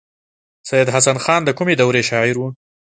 سید حسن خان د کومې دورې شاعر و.